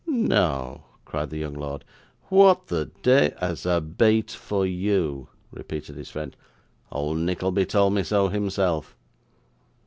'No!' cried the young lord. 'What the dey ' 'As a bait for you,' repeated his friend; 'old Nickleby told me so himself.